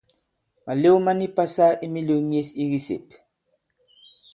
Màlew ma ni pasa i mīlēw myes i kisèp.